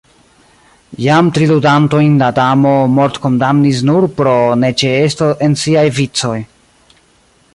Jam tri ludantojn la Damo mortkondamnis nur pro neĉeesto en siaj vicoj.